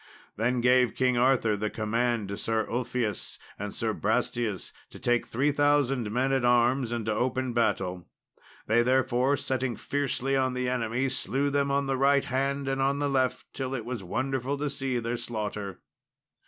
Then gave King Arthur the command to Sir Ulfius and Sir Brastias to take 3000 men at arms, and to open battle. They therefore setting fiercely on the enemy slew them on the right hand and the left till it was wonderful to see their slaughter.